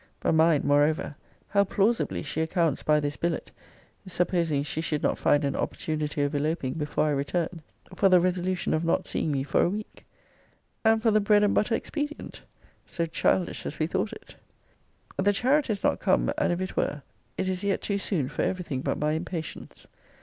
But mind, moreover, how plausibly she accounts by this billet, (supposing she should not find an opportunity of eloping before I returned,) for the resolution of not seeing me for a week; and for the bread and butter expedient! So childish as we thought it! The chariot is not come; and if it were, it is yet too soon for every thing but my impatience.